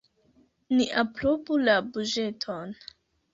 Ni aprobu la buĝeton.